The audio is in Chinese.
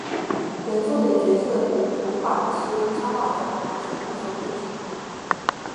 本作的角色图画是由插画家北千里所绘制。